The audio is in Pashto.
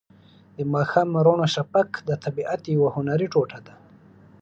د ماښام روڼ شفق د طبیعت یوه هنري ټوټه ده.